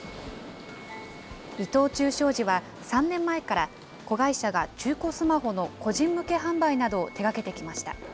伊藤忠商事は３年前から、子会社が中古スマホの個人向け販売などを手がけてきました。